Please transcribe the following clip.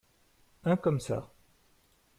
Un comme ça.